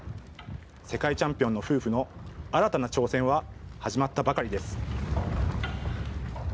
世界チャンピオンの夫婦の新たな挑戦は始まったばかりです。